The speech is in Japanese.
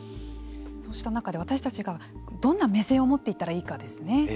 そうした中で私たちがどんな目線を持っていったらいいかですね。